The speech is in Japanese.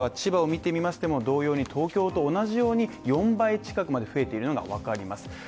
そしてそのほか埼玉、神奈川、千葉を見てみましても同様に東京と同じように４倍近くまで増えているのがわかります。